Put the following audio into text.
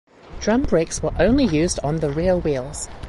Drum brakes were only used on the rear wheels.